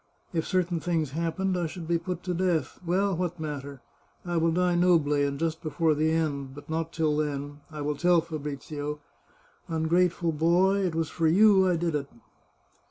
If certain things happened, I should be put to death; well, what matter? I will die nobly, and just be fore the end, but not till then, I will tell Fabrizio, * Ungrate ful boy, it was for you I did it